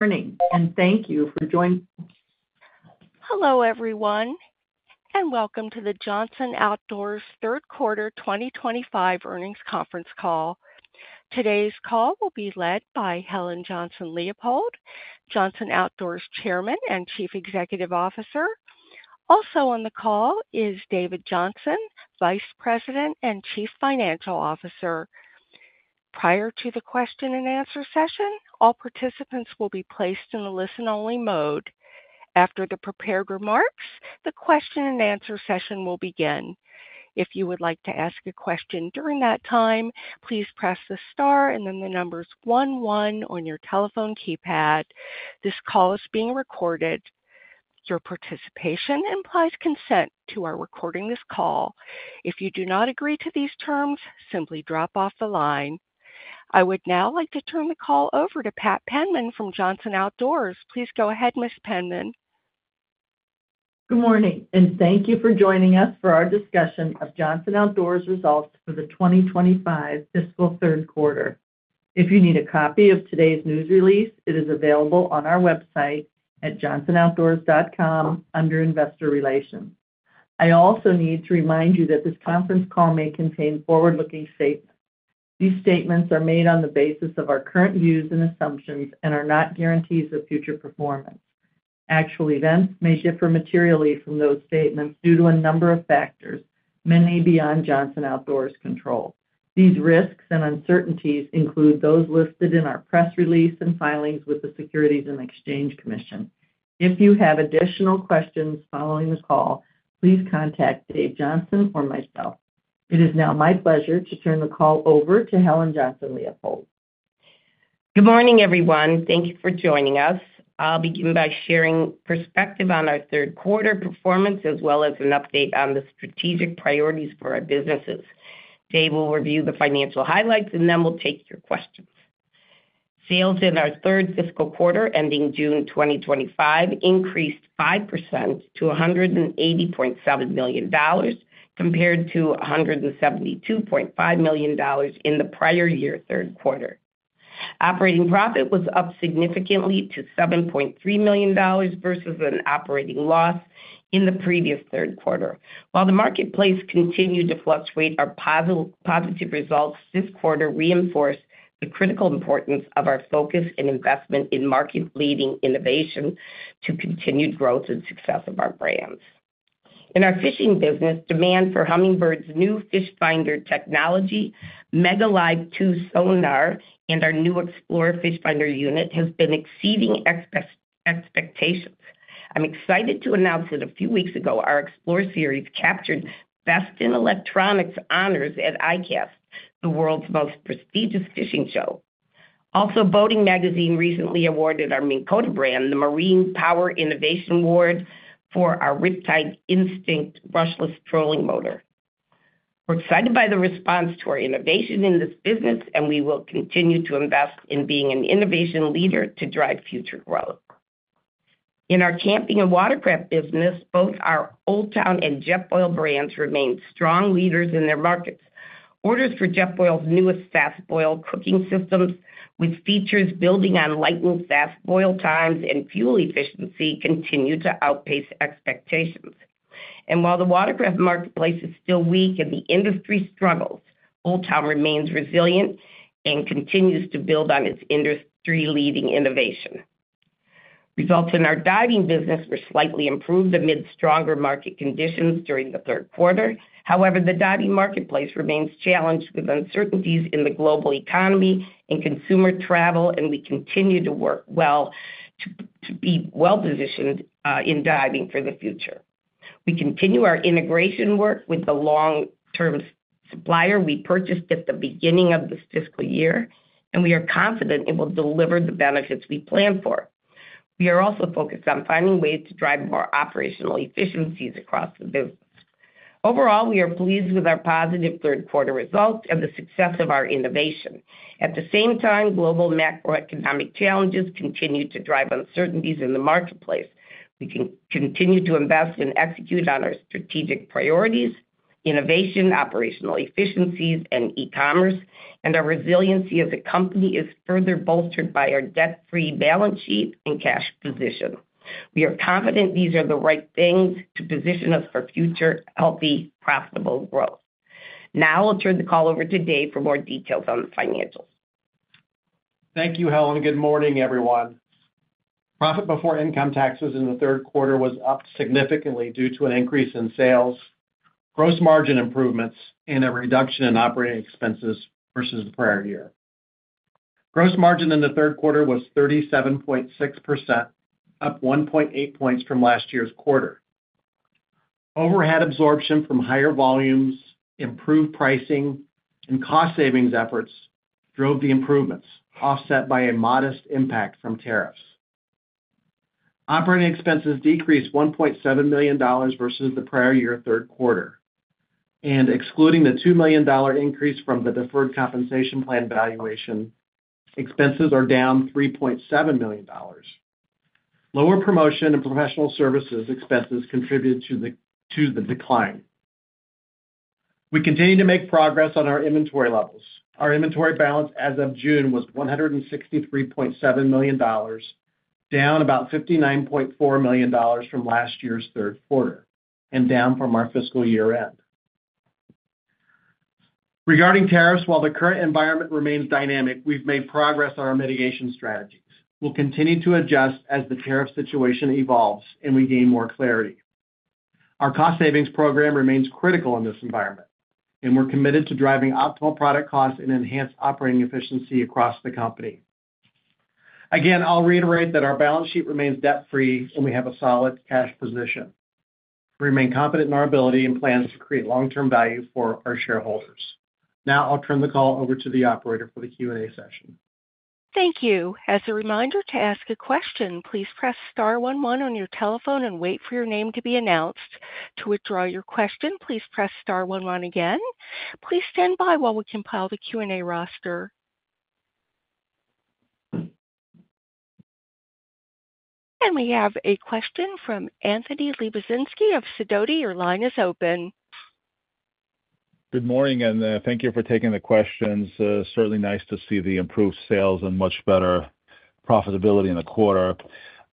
Thank you for joining. Hello everyone, and welcome to the Johnson Outdoors Third Quarter 2025 Earnings Conference Call. Today's call will be led by Helen Johnson-Leipold, Johnson Outdoors Chairman and Chief Executive Officer. Also on the call is David Johnson, Vice President and Chief Financial Officer. Prior to the question and answer session, all participants will be placed in the listen-only mode. After the prepared remarks, the question and answer session will begin. If you would like to ask a question during that time, please press the star and then the numbers one-one on your telephone keypad. This call is being recorded. Your participation implies consent to our recording this call. If you do not agree to these terms, simply drop off the line. I would now like to turn the call over to Patricia Penman from Johnson Outdoors. Please go ahead, Ms. Penman. Good morning, and thank you for joining us for our discussion of Johnson Outdoors' results for the 2025 fiscal third quarter. If you need a copy of today's news release, it is available on our website at johnsonoutdoors.com under Investor Relations. I also need to remind you that this conference call may contain forward-looking statements. These statements are made on the basis of our current views and assumptions and are not guarantees of future performance. Actual events may differ materially from those statements due to a number of factors, many beyond Johnson Outdoors' control. These risks and uncertainties include those listed in our press release and filings with the Securities and Exchange Commission. If you have additional questions following the call, please contact David Johnson or myself. It is now my pleasure to turn the call over to Helen Johnson-Leipold. Good morning, everyone. Thank you for joining us. I'll begin by sharing perspective on our third quarter performance, as well as an update on the strategic priorities for our businesses. Dave will review the financial highlights, and then we'll take your questions. Sales in our third fiscal quarter ending June 2025 increased 5% to $180.7 million compared to $172.5 million in the prior year third quarter. Operating profit was up significantly to $7.3 million versus an operating loss in the previous third quarter. While the marketplace continued to fluctuate, our positive results this quarter reinforced the critical importance of our focus and investment in market-leading innovation to continued growth and success of our brands. In our fishing business, demand for Humminbird's new Fish Finder technology, MegaLive 2 Sonar, and our new Explorer Fish Finder unit has been exceeding expectations. I'm excited to announce that a few weeks ago, our Explorer series captured Best in Electronics honors at ICAST, the world's most prestigious fishing show. Also, Boating Magazine recently awarded our Minn Kota brand the Marine Power Innovation Award for our Riptide Instinct Brushless Trolling Motor. We're excited by the response to our innovation in this business, and we will continue to invest in being an innovation leader to drive future growth. In our camping and watercraft business, both our Old Town and Jetboil brands remain strong leaders in their markets. Orders for Jetboil's newest fast boil cooking systems, with features building on lightning-fast boil times and fuel efficiency, continue to outpace expectations. While the watercraft marketplace is still weak and the industry struggles, Old Town remains resilient and continues to build on its industry-leading innovation. Results in our diving business were slightly improved amid stronger market conditions during the third quarter. However, the diving marketplace remains challenged with uncertainties in the global economy and consumer travel, and we continue to work well to be well positioned in diving for the future. We continue our integration work with the long-term supplier we purchased at the beginning of this fiscal year, and we are confident it will deliver the benefits we plan for. We are also focused on finding ways to drive more operational efficiencies across the business. Overall, we are pleased with our positive third quarter results and the success of our innovation. At the same time, global macroeconomic challenges continue to drive uncertainties in the marketplace. We can continue to invest and execute on our strategic priorities, innovation, operational efficiencies, and e-commerce, and our resiliency as a company is further bolstered by our debt-free balance sheet and cash position. We are confident these are the right things to position us for future healthy, profitable growth. Now, I'll turn the call over to Dave for more details on the financials. Thank you, Helen, and good morning, everyone. Profit before income taxes in the third quarter was up significantly due to an increase in sales, gross margin improvements, and a reduction in operating expenses versus the prior year. Gross margin in the third quarter was 37.6%, up 1.8 points from last year's quarter. Overhead absorption from higher volumes, improved pricing, and cost savings efforts drove the improvements, offset by a modest impact from tariffs. Operating expenses decreased $1.7 million versus the prior year third quarter, and excluding the $2 million increase from the deferred compensation plan valuation, expenses are down $3.7 million. Lower promotion and professional services expenses contributed to the decline. We continue to make progress on our inventory levels. Our inventory balance as of June was $163.7 million, down about $59.4 million from last year's third quarter and down from our fiscal year end. Regarding tariffs, while the current environment remains dynamic, we've made progress on our mitigation strategies. We will continue to adjust as the tariff situation evolves and we gain more clarity. Our cost savings program remains critical in this environment, and we're committed to driving optimal product costs and enhanced operating efficiency across the company. Again, I'll reiterate that our balance sheet remains debt-free and we have a solid cash position. We remain confident in our ability and plans to create long-term value for our shareholders. Now, I'll turn the call over to the operator for the Q&A session. Thank you. As a reminder to ask a question, please press star one-one on your telephone and wait for your name to be announced. To withdraw your question, please press star one-one again. Please stand by while we compile the Q&A roster. We have a question from Anthony Lebiedzinski of Sidoti. Your line is open. Good morning, and thank you for taking the questions. Certainly nice to see the improved sales and much better profitability in the quarter.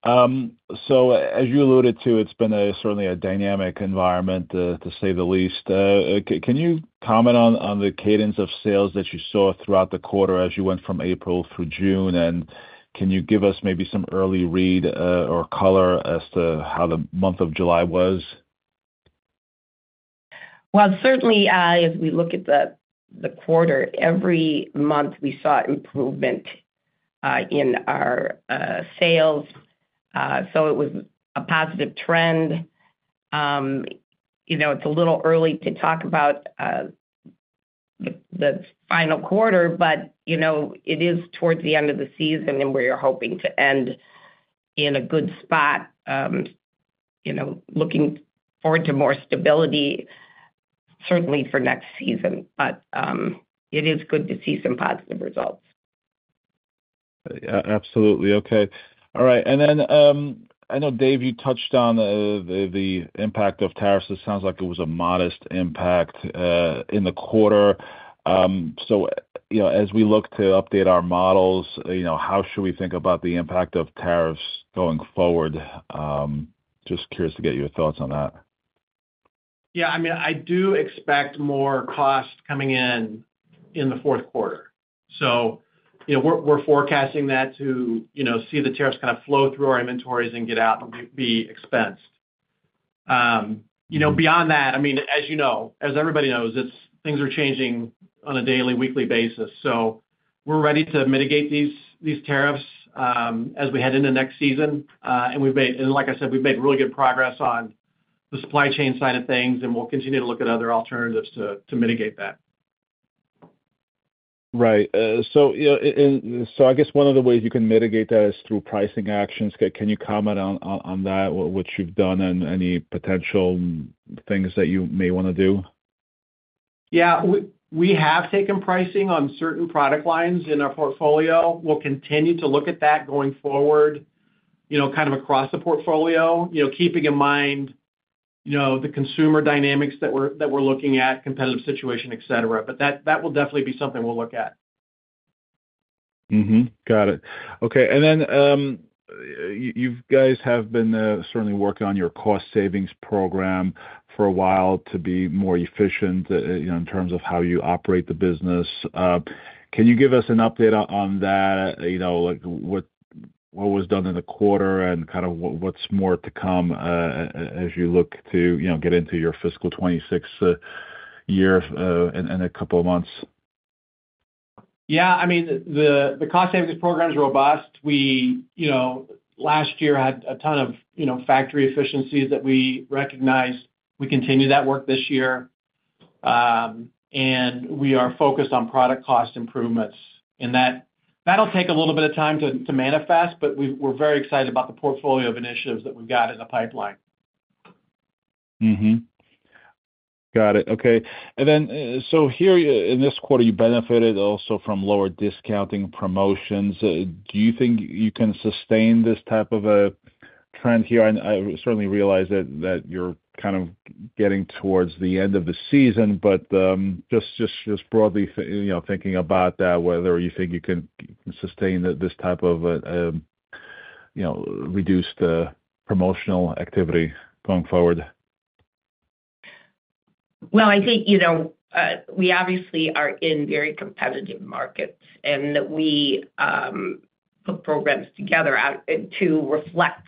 As you alluded to, it's been certainly a dynamic environment, to say the least. Can you comment on the cadence of sales that you saw throughout the quarter as you went from April through June, and can you give us maybe some early read or color as to how the month of July was? As we look at the quarter, every month we saw improvement in our sales. It was a positive trend. It's a little early to talk about the final quarter, but you know it is towards the end of the season and we are hoping to end in a good spot. Looking forward to more stability, certainly for next season, but it is good to see some positive results. Absolutely. All right. I know, Dave, you touched on the impact of tariffs. It sounds like it was a modest impact in the quarter. As we look to update our models, how should we think about the impact of tariffs going forward? Just curious to get your thoughts on that. Yeah, I mean, I do expect more costs coming in in the fourth quarter. We're forecasting that to see the tariffs kind of flow through our inventories and get out and be expensed. Beyond that, as you know, as everybody knows, things are changing on a daily, weekly basis. We're ready to mitigate these tariffs as we head into next season. We've made, like I said, really good progress on the supply chain side of things, and we'll continue to look at other alternatives to mitigate that. Right. I guess one of the ways you can mitigate that is through pricing actions. Can you comment on that, what you've done and any potential things that you may want to do? We have taken pricing on certain product lines in our portfolio. We'll continue to look at that going forward, kind of across the portfolio, keeping in mind the consumer dynamics that we're looking at, competitive situation, et cetera. That will definitely be something we'll look at. Got it. Okay. You guys have been certainly working on your cost savings program for a while to be more efficient, you know, in terms of how you operate the business. Can you give us an update on that? What was done in the quarter and kind of what's more to come as you look to, you know, get into your fiscal 2026 year in a couple of months? Yeah, the cost savings program is robust. Last year had a ton of factory efficiencies that we recognized. We continue that work this year, and we are focused on product cost improvements. That'll take a little bit of time to manifest, but we're very excited about the portfolio of initiatives that we've got in the pipeline. Got it. Okay. Here in this quarter, you benefited also from lower discounting promotions. Do you think you can sustain this type of a trend here? I certainly realize that you're kind of getting towards the end of the season, but just broadly, thinking about that, whether you think you can sustain this type of reduced promotional activity going forward. I think, you know, we obviously are in very competitive markets and that we put programs together to reflect what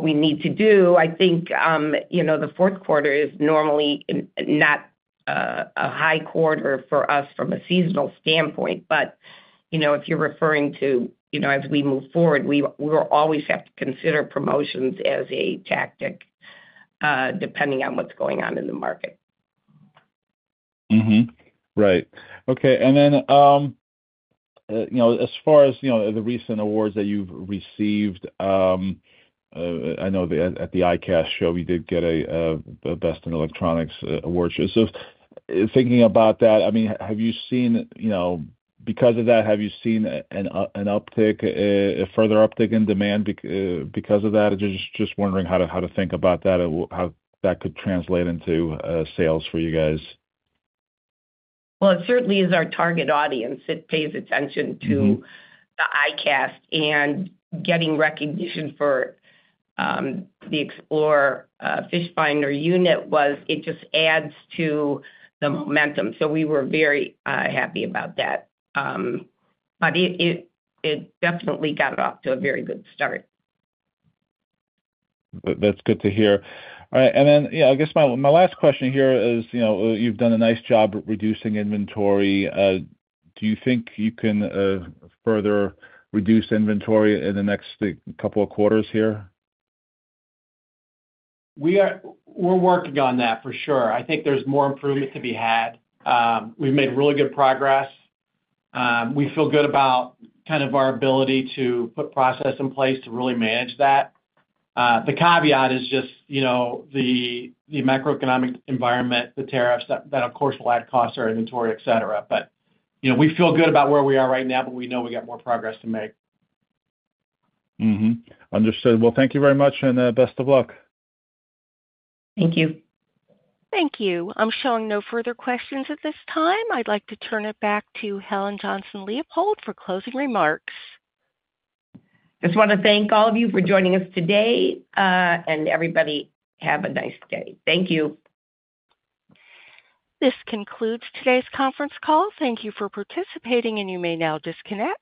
we need to do. I think, you know, the fourth quarter is normally not a high quarter for us from a seasonal standpoint, but, you know, if you're referring to, you know, as we move forward, we will always have to consider promotions as a tactic depending on what's going on in the market. Right. Okay. As far as the recent awards that you've received, I know that at the ICAST show, we did get a Best in Electronics Award. Thinking about that, have you seen, because of that, have you seen an uptick, a further uptick in demand because of that? I'm just wondering how to think about that and how that could translate into sales for you guys. It certainly is our target audience. It pays attention to the ICAST and getting recognition for the Explorer Fish Finder unit just adds to the momentum. We were very happy about that. It definitely got off to a very good start. That's good to hear. All right. I guess my last question here is, you know, you've done a nice job reducing inventory. Do you think you can further reduce inventory in the next couple of quarters here? We're working on that for sure. I think there's more improvement to be had. We've made really good progress. We feel good about our ability to put process in place to really manage that. The caveat is just the macroeconomic environment, the tariffs that, of course, will add costs to our inventory, et cetera. We feel good about where we are right now, but we know we got more progress to make. Thank you very much, and best of luck. Thank you. Thank you. I'm showing no further questions at this time. I'd like to turn it back to Helen Johnson-Leipold for closing remarks. I just want to thank all of you for joining us today, and everybody have a nice day. Thank you. This concludes today's conference call. Thank you for participating, and you may now disconnect.